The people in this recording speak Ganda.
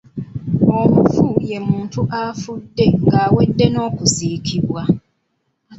Omufu ye muntu afudde ng’awedde n’okuziikibwa.